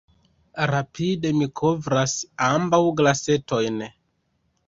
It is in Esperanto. Rapide mi kovras ambaŭ glasetojn.